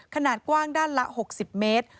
ขนาดกว้างด้านละ๖๐เมตร